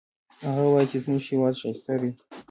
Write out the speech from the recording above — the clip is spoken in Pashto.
هغه وایي چې زموږ هیواد ښایسته ده